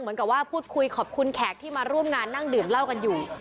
เหมือนกับว่าพูดคุยขอบคุณแขกที่มาร่วมงานนั่งดื่มเหล้ากันอยู่